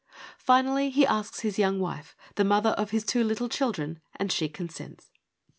Finally he asks his young wife, the mother of his two little children, and she consents.